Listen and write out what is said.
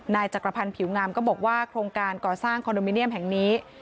จักรพันธ์ผิวงามก็บอกว่าโครงการก่อสร้างคอนโดมิเนียมแห่งนี้